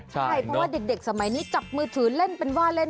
ใช่เพราะว่าเด็กสมัยนี้จับมือถือเล่นเป็นว่าเล่น